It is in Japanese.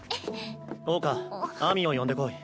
桜花秋水を呼んでこい。